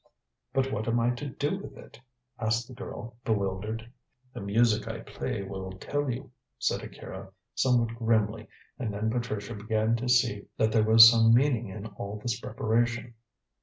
"But what am I to do with it?" asked the girl, bewildered. "The music I play will tell you," said Akira, somewhat grimly, and then Patricia began to see that there was some meaning in all this preparation.